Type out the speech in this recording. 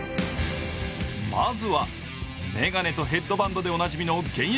まずは眼鏡とヘッドバンドでおなじみの現役